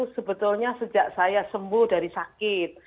sebetulnya sejak saya sembuh dari sakit